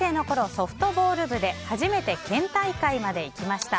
ソフトボール部で初めて県大会まで行きました。